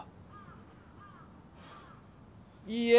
いいえ。